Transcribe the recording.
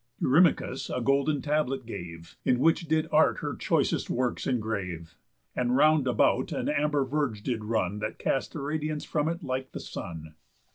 Eurymachus a golden tablet gave, In which did Art her choicest works engrave; And round about an amber verge did run, That cast a radiance from it like the Sun.